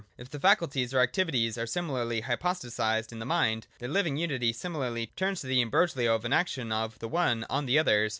— If the faculties or activities are similarly hypostatised in the mind, their living unity similarly turns to the imbroglio of an action of the one on the others.